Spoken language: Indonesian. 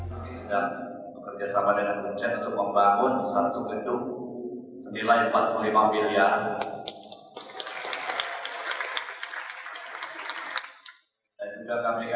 kami sedang bekerjasama dengan uncet untuk membangun satu gedung senilai empat puluh lima miliar